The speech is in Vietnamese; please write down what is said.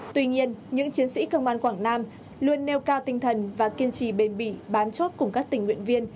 tuy nhiên những chiến sĩ công an quảng nam luôn nêu cao tinh thần và kiên trì bền bỉ bám chốt cùng các tình nguyện viên